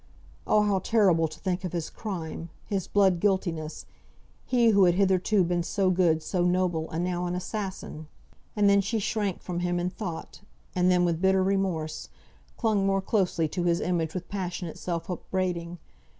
Oh, how terrible to think of his crime, his blood guiltiness; he who had hitherto been so good, so noble, and now an assassin! And then she shrank from him in thought; and then, with bitter remorse, clung more closely to his image with passionate self upbraiding.